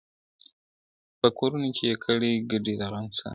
په کورونو یې کړي ګډي د غم ساندي-